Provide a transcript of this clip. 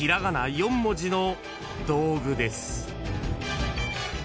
４文字の道具です］